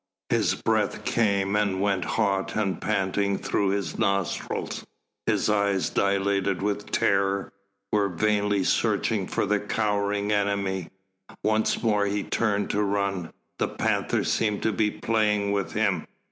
His breath came and went hot and panting through his nostrils, his eyes, dilated with terror, were vainly searching for the cowering enemy. Once more he turned to run. The panther seemed to be playing with him.